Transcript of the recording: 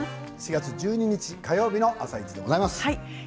４月１２日火曜日の「あさイチ」でございます。